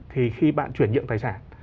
thì khi bạn chuyển nhượng tài sản